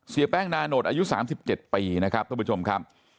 เสียแป้งดานโนธอายุ๓๗ปีนะครับประมาณครับ